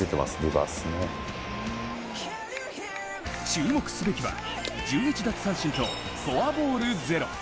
注目すべきは、１１奪三振とフォアボール０。